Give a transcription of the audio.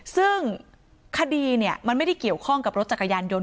ซึ่งคดีมันไม่ได้เกี่ยวข้องกับรถจักรยานยนต